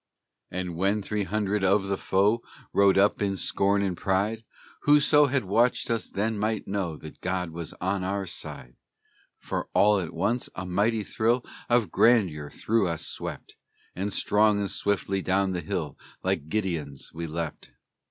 And when three hundred of the foe Rode up in scorn and pride, Whoso had watched us then might know That God was on our side; For all at once a mighty thrill Of grandeur through us swept, And strong and swiftly down the hill Like Gideons we leapt.